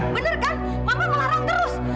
bener kan mama melarang terus